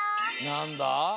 なんだ？